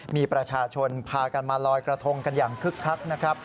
มีประชาชนพากันมาลอยกระทงกันอย่างคึกคักนะครับ